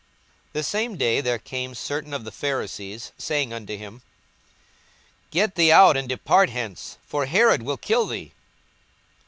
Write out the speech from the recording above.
42:013:031 The same day there came certain of the Pharisees, saying unto him, Get thee out, and depart hence: for Herod will kill thee.